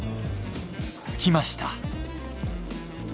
つきました。